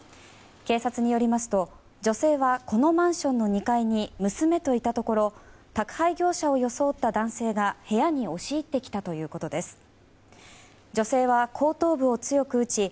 警察によりますと女性はこのマンションの２階に娘といたところ宅配業者を装った男性が部屋に押し入ってきたということです。